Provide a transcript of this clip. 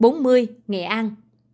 bốn mươi nghệ an